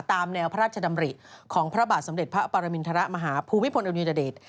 ตามแนวพระราชดำริของพระบาทสมเด็จพระปรมินทรมาฮาภูมิพลอดุญเดช